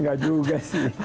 nggak juga sih